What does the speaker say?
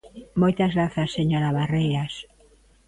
Moitas grazas, señora Barreiras.